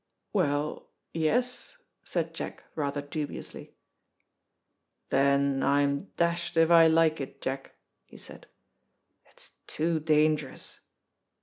"Well, yes," said Jack rather dubiously. "Then I'm dashed if I like it, Jack," he said. "It's too dangerous.